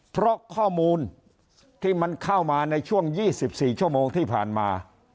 เพราะข้อมูลที่มันเข้ามาในช่วง๒๔ชั่วโมงที่ผ่านมา